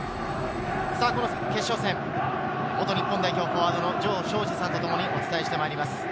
この決勝戦、元日本代表フォワードの城彰二さんと共にお伝えしてまいります。